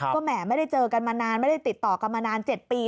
ก็แหมไม่ได้เจอกันมานานไม่ได้ติดต่อกันมานาน๗ปี